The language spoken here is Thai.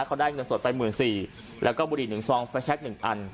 เขาได้เงินสดไปหมื่นสี่แล้วก็บรีนึงซอง